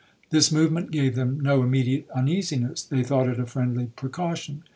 This movement gave them no immediate uneasiness,—they thought it a friendly precaution.